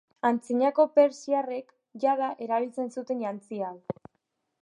Antzinako persiarrek jada erabiltzen zuten jantzi hau.